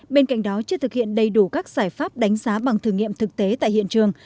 bên cạnh đó chưa thực hiện đầy đủ các giải pháp đánh giá bằng thử nghiệm thực tế tại hiện trường